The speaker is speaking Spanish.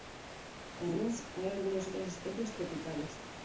Además hay algunas otras especies tropicales.